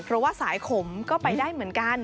เพราะว่าสายขมก็ไปได้เหมือนกัน